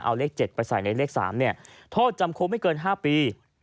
เอาเลขเจ็ดไปใส่ในเลขสามเนี้ยโทษจำคลุกไม่เกินห้าปี